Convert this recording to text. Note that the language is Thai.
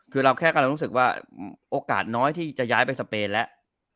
คือเราแค่กำลังรู้สึกว่าโอกาสน้อยที่จะย้ายไปสเปนแล้ว